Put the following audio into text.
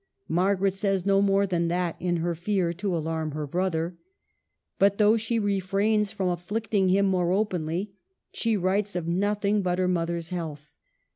Margaret says no more than that in her fear to alarm her brother. But though she refrains from afflicting him more openly, she writes of nothing but her mother's health.